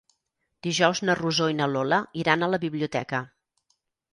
Dijous na Rosó i na Lola iran a la biblioteca.